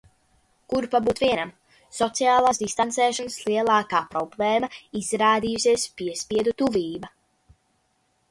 Kur pabūt vienam. Sociālās distancēšanās lielākā problēma izrādījusies piespiedu tuvība.